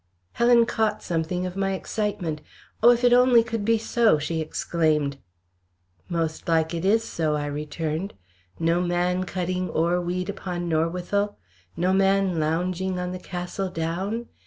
Helen caught something of my excitement. "Oh! if it only could be so!" she exclaimed. "Most like it is so," I returned. "No man cutting ore weed upon Norwithel! No man lounging on the Castle Down!